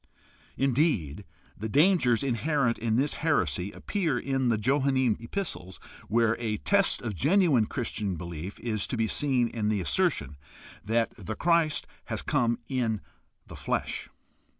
Indeed, the dangers inherent in this heresy appear in the Johannine epistles, where a test of genuine Christian belief is to be seen in the assertion that the Christ has come in the flesh.